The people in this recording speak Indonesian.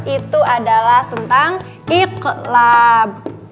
itu adalah tentang ikhlab